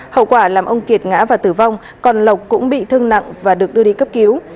hậu quả làm ông kiệt ngã và tử vong còn lộc cũng bị thương nặng và được đưa đi cấp cứu